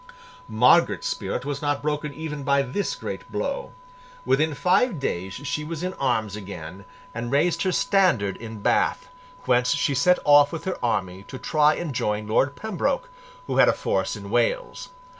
Margaret's spirit was not broken even by this great blow. Within five days she was in arms again, and raised her standard in Bath, whence she set off with her army, to try and join Lord Pembroke, who had a force in Wales.